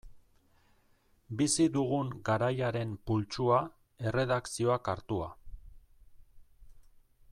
Bizi dugun garaiaren pultsua, erredakzioak hartua.